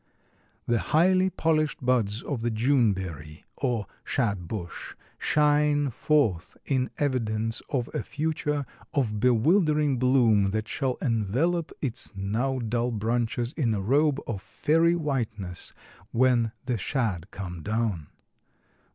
The highly polished buds of the June berry or shad bush shine forth in evidence of a future of bewildering bloom that shall envelop its now dull branches in a robe of fairy whiteness when "the shad come down."